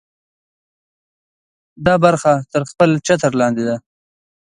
دا برخه تر خپل چتر لاندې ده.